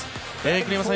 栗山さん